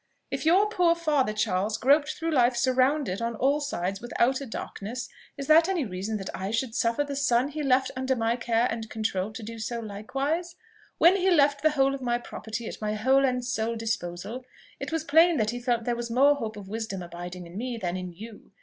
"If your poor father, Charles, groped through life surrounded on all sides with outer darkness, is that any reason that I should suffer the son he left under my care and control to do so likewise? When he left the whole of my property at my whole and sole disposal, it was plain that he felt there was more hope of wisdom abiding in me than in you.